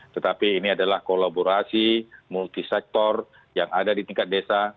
tetapi ini adalah kolaborasi multisektor yang ada di tingkat desa